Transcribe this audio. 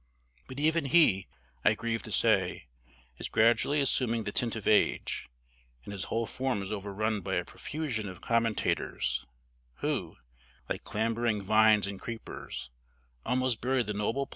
But even he, I grieve to say, is gradually assuming the tint of age, and his whole form is overrun by a profusion of commentators, who, like clambering vines and creepers, almost bury the noble plant that upholds them."